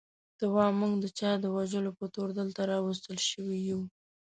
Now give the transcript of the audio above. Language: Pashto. ته وا موږ د چا د وژلو په تور دلته راوستل شوي یو.